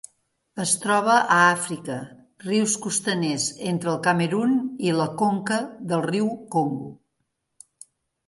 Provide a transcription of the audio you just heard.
Es troba a Àfrica: rius costaners entre el Camerun i la conca del riu Congo.